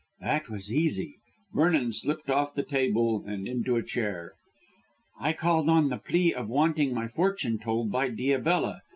"That was easy." Vernon slipped off the table and into a chair. "I called on the plea of wanting my fortune told by Diabella.